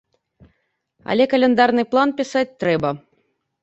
Але каляндарны план пісаць трэба.